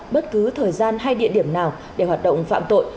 bất cứ thời gian hay địa điểm nào để hoạt động phạm tội